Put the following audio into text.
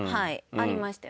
ありましたよね。